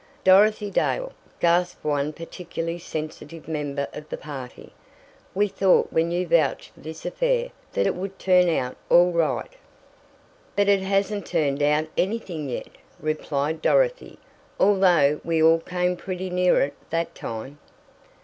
"Dorothy Dale!" gasped one particularly sensitive member of the party, "we thought when you vouched for this affair that it would turn out all right!" "But it hasn't turned out anything yet," replied Dorothy, "although we all came pretty near it that time."